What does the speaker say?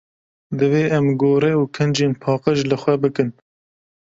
Divê em gore û kincên paqij li xwe bikin.